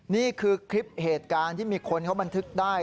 นี่คือคลิปเหตุการณ์ที่มีคนเขาบันทึกได้